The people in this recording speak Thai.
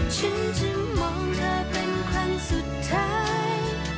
ฉันจึงมองเธอเป็นครั้งสุดท้าย